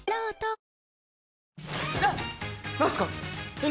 えっ？